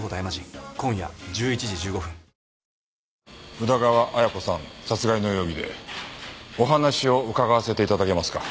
宇田川綾子さん殺害の容疑でお話を伺わせて頂けますか？